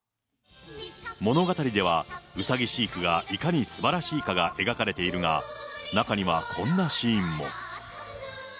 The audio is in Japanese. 物語では、うさぎ飼育がいかにすばらしいかが描かれているが、中にはこんなシーンも。